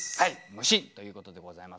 「虫」ということでございますね。